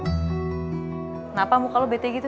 kenapa muka lo bete gitu